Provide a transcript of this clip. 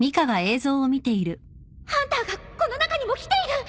ハンターがこの中にも来ている！